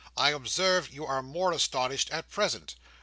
I observe you are more astonished at present.